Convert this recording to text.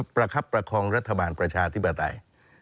ประคับประคองรัฐบาลประชาธิปไตย